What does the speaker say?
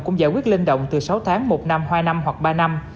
cũng giải quyết linh động từ sáu tháng một năm hai năm hoặc ba năm